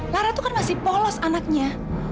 lara itu kan masih polos anaknya